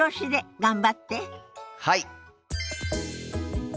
はい！